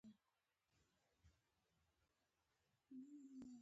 یو افسر به له موټروان سره په مخکي سیټ ناست و.